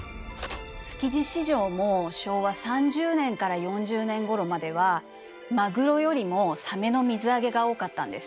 築地市場も昭和３０年から４０年ごろまではマグロよりもサメの水揚げが多かったんです。